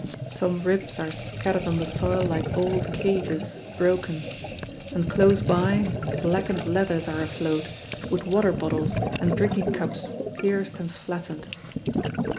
Some ribs are scattered on the soil like old cages broken; and close by, blackened leathers are afloat, with water bottles and drinking cups pierced and flattened.